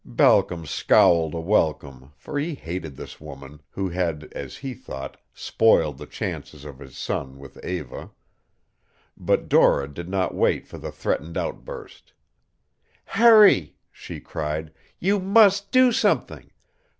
Balcom scowled a welcome, for he hated this woman, who had, as he thought, spoiled the chances of his son with Eva. But Dora did not wait for the threatened outburst. "Hurry!" she cried. "You must do something.